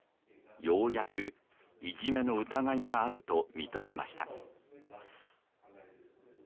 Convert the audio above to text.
ようやくいじめの疑いがあると認めました